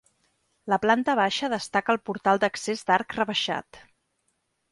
La planta baixa destaca el portal d'accés d'arc rebaixat.